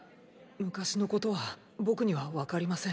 昔のことは僕にはわかりません。